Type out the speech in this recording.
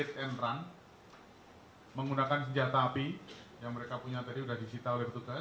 ya tentang nanti rangkaiannya akan terkuat setelah analisis kita selesai